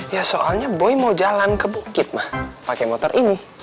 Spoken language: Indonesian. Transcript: ya soalnya boy mau jalan ke bukit mah pakai motor ini